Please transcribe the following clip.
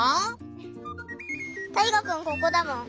たいがくんここだもん。